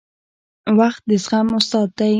• وخت د زغم استاد دی.